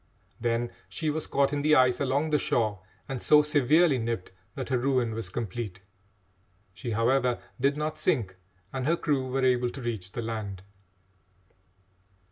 Then she was caught in the ice along the shore and so severely nipped that her ruin was complete. She, however, did not sink, and her crew were able to reach the land.